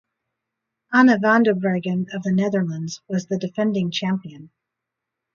Anna van der Breggen of the Netherlands was the defending champion.